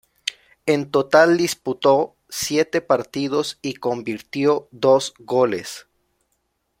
En total disputó siete partidos y convirtió dos goles.